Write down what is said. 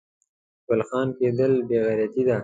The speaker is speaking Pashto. ګل خان کیدل بې غیرتي ده